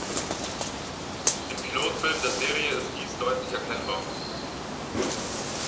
Im Pilotfilm der Serie ist dies deutlich erkennbar.